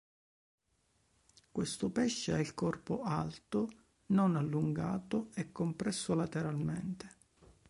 Questo pesce ha il corpo alto, non allungato e compresso lateralmente.